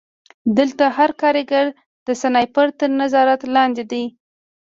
دلته هر کارګر د سنایپر تر نظارت لاندې دی